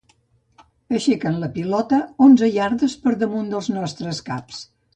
Aixequen la pilota onze iardes per damunt dels nostres caps.